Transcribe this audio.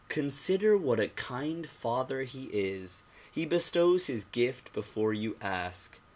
Con sider, what a kind father he is. He bestows his gift before you ask.